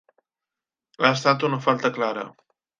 Ha estat una falta clara.